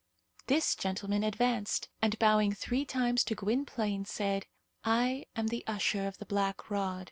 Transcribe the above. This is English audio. This gentleman advanced, and, bowing three times to Gwynplaine, said, "I am the Usher of the Black Rod.